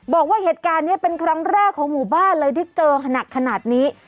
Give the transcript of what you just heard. บอกว่าเหตุการณ์นี้เป็นครั้งแรกของหมู่บ้านเลยที่เจอหนักขนาดนี้